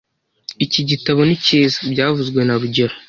Iki gitabo ni cyiza byavuzwe na rugero